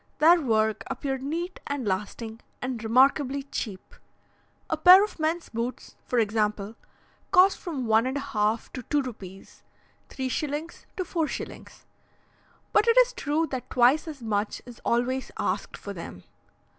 Their work appeared neat and lasting, and remarkably cheap. A pair of men's boots, for example, cost from one and a half to two rupees (3s. to 4s.); but it is true that twice as much is always asked for them.